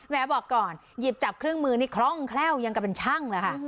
บอกก่อนหยิบจับเครื่องมือนี่คล่องแคล่วยังกับเป็นช่างเลยค่ะ